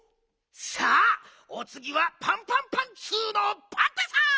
さあおつぎはパンパンパンツーのパンタさん！